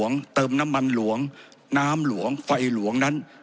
ผมจะขออนุญาตให้ท่านอาจารย์วิทยุซึ่งรู้เรื่องกฎหมายดีเป็นผู้ชี้แจงนะครับ